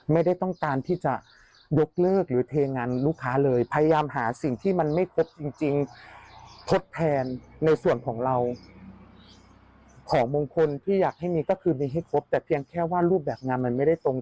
มันคือมีให้ครบเพียงแค่ว่ารูปแบบงานมันไม่ได้ตรง